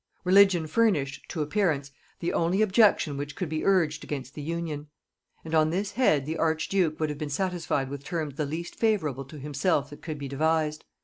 Religion furnished, to appearance, the only objection which could be urged against the union; and on this head the archduke would have been satisfied with terms the least favorable to himself that could be devised.